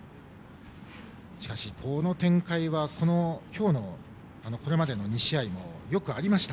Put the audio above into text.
しかし、この展開は今日のこれまでの２試合でもよくありました。